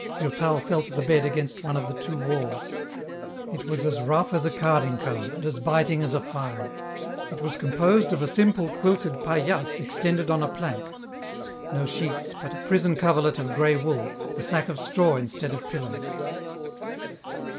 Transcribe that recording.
Durtal felt the bed against one of the two walls. It was as rough as a carding comb, and as biting as a file. It was composed of a simple quilted paillasse extended on a plank ; no sheets, but a prison coverlet of grey wool, a sack of straw instead of pillows.